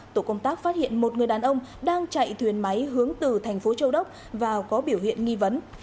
tổ công tác phát hiện một người đàn ông đang chạy thuyền máy hướng từ thành phố châu đốc và có biểu hiện nghi vấn